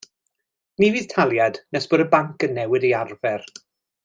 Ni fydd taliad nes bod y banc yn newid ei arfer.